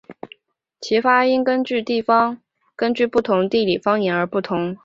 其发音根据不同地理方言而不同。